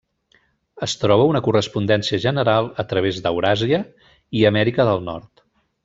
Es troba una correspondència general a través d'Euràsia i Amèrica del Nord.